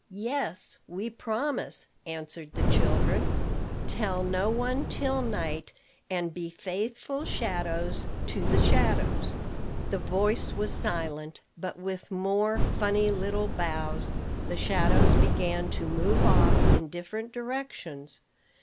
"Yes, we promise," answered the children. "Tell no one till night, and be faithful shadows to the shadows." The voice was silent, but with more funny little bows the shadows began to move off in different directions.